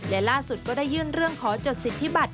และล่าสุดก็ได้ยื่นเรื่องขอจดสิทธิบัติ